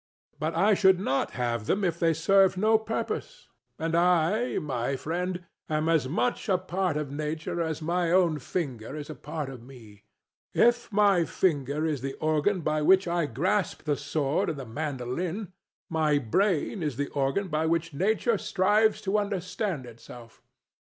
DON JUAN. But I should not have them if they served no purpose. And I, my friend, am as much a part of Nature as my own finger is a part of me. If my finger is the organ by which I grasp the sword and the mandoline, my brain is the organ by which Nature strives to understand itself.